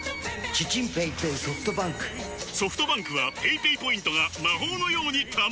ソフトバンクはペイペイポイントが魔法のように貯まる！